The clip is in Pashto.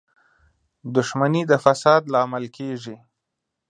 • دښمني د فساد لامل کېږي.